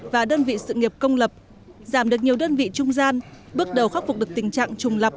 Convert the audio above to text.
và đơn vị sự nghiệp công lập giảm được nhiều đơn vị trung gian bước đầu khắc phục được tình trạng trùng lập